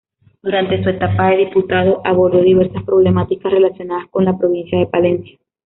Durante su etapa de diputado, abordó diversas problemáticas relacionadas con la provincia de Palencia.